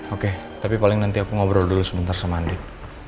oke tapi paling nanti aku ngobrol dulu sebentar sama andi